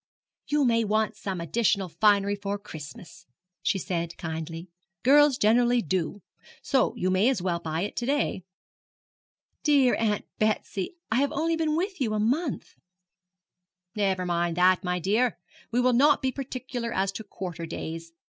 'You may want some additional finery for Christmas,' she said kindly. 'Girls generally do. So you may as well buy it to day.' 'But, dear Aunt Betsy, I have only been with you a month.' 'Never mind that, my dear. We will not be particular as to quarter days.